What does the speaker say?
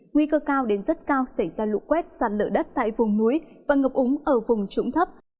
nguy cơ cao đến rất cao xảy ra lũ quét sạt lở đất tại vùng núi và ngập úng ở vùng trũng thấp